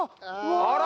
あら！